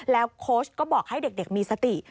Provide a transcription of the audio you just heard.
โค้ชก็บอกให้เด็กมีสติ